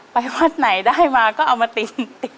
วัดไหนได้มาก็เอามาติน